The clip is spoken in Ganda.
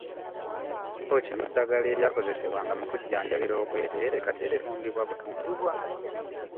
Okimanyi nti n'eddagala eryakozesebwanga mu kujjanjabira obwereere kati litundibwa butundibwa?